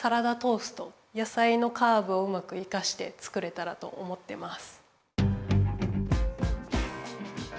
野さいのカーブをうまく生かして作れたらと思ってます。